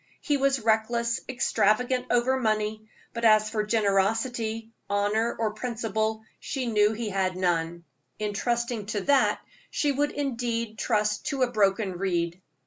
He was reckless, extravagant over money, but as for generosity, honor, or principle, she knew he had none. In trusting to that she would indeed trust to a broken reed.